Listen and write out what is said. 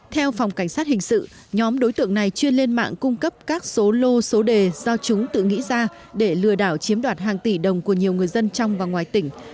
theo phòng cảnh sát hình sự nhóm đối tượng này chuyên lên mạng cung cấp các số lô số đề do chúng tự nghĩ ra để lừa đảo chiếm đoạt hàng tỷ đồng của nhiều người dân trong và ngoài tỉnh